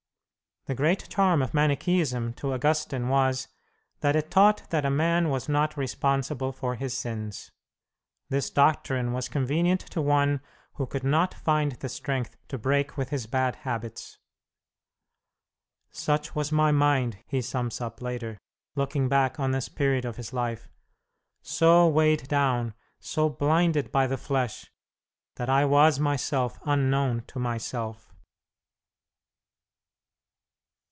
The great charm of Manicheism to Augustine was that it taught that a man was not responsible for his sins. This doctrine was convenient to one who could not find the strength to break with his bad habits. "Such was my mind," he sums up later, looking back on this period of his life, "so weighed down, so blinded by the flesh, that I was myself unknown to myself."